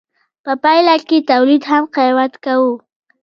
په پایله کې یې تولید هم قیمت کاوه.